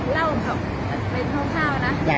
อ๋อเล่าต่อไปเท่านะ